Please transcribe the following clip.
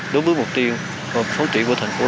đối với mục tiêu phóng trị của thành phố